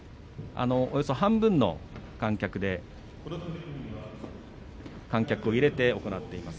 およそ半分の観客で観客を入れて行っています。